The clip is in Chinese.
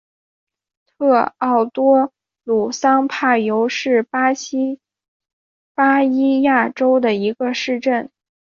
特奥多鲁桑帕尤是巴西巴伊亚州的一个市镇。